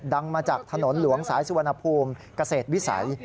ดังมาจากถนนหลวงสายสุวรรณภูมิเกษตรวิสัย